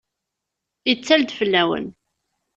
Yettal-d fell-awen!